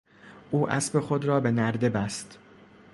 او اسب خود را به نرده بست.